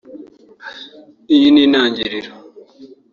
Iyi ni intangiriro